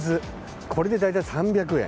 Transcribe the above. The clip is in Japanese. これで大体３００円。